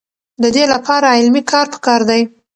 د دې لپاره علمي کار پکار دی.